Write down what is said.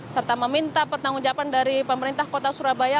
serta meminta pertanggung jawaban dari pemerintah kota surabaya